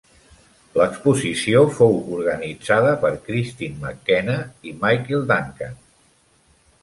L'exposició fou organitzada per Kristine McKenna i Michael Duncan.